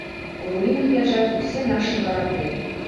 У руінах ляжаць усе нашы гарады.